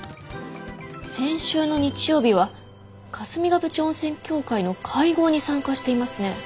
先週の日曜日は霞ヶ淵温泉協会の会合に参加していますね。